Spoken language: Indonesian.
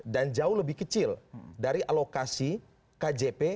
dan jauh lebih kecil dari alokasi kjp